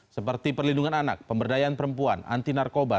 seperti perlindungan anak pemberdayaan perempuan anti narkoba